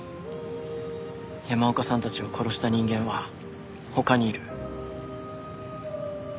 山岡さんたちを殺した人間は他にいる。